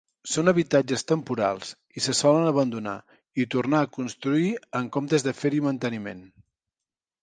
Són habitatges temporals, i se solen abandonar i tornar a construir en comptes de fer-hi manteniment.